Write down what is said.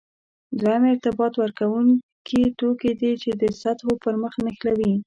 دویم ارتباط ورکوونکي توکي دي چې د سطحو پرمخ نښلوي.